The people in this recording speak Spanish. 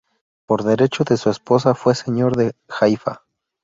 Por derecho de su esposa fue Señor de Haifa.